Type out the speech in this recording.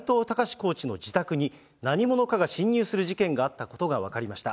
コーチの自宅に、何者かが侵入する事件があったことが分かりました。